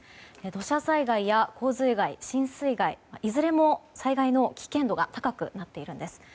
土砂災害や洪水害、浸水害いずれも災害の危険度が高くなっているんです。